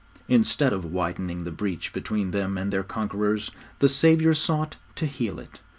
Instead of widening the breach between them and their conquerors, the Saviour sought to heal it.